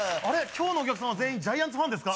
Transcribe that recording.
今日のお客さんは全員ジャイアンツファンですか？